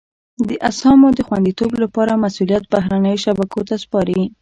د اسهامو د خوندیتوب لپاره مسولیت بهرنیو شبکو ته سپاري.